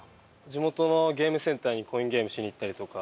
地元のゲームセンターにコインゲームしに行ったりとか。